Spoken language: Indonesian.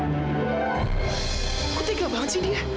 aku tega banget sih dia